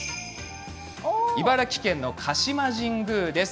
茨城県の鹿島神宮です。